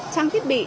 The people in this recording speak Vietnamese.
trang thiết bị